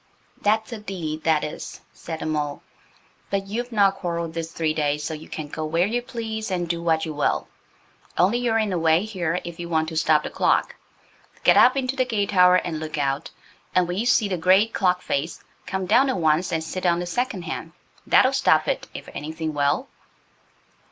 "That's a deed, that is," said the mole, "but you've not quarrelled this three days, so you can go where you please and do what you will. Only you're in the way here if you want to stop the clock. Get up into the gate tower and look out, and when you see the great clock face, come down at once and sit on the second hand. That'll stop it, if anything will."